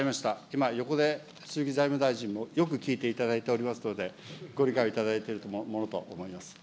今、横で鈴木財務大臣もよく聞いていただいておりますので、ご理解いただいているものと思います。